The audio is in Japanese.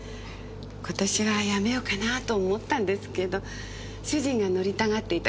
今年はやめようかなぁと思ったんですけど主人が乗りたがっていた